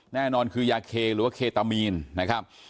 แน่นอนคือยาเคหรือว่าเคตามีนนะครับ